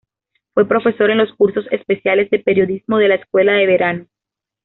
Fue profesor en los cursos especiales de periodismo de la Escuela de Verano.